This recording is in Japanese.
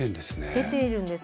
出てるんです。